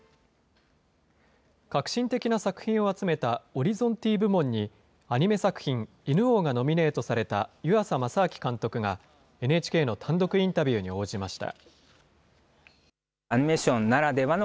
革新的な作品を集めたオリゾンティ部門にアニメ作品、犬王がノミネートされた湯浅政明監督が、ＮＨＫの単独インタビューに応じました。